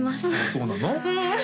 そうなの？